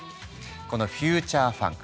このフューチャーファンク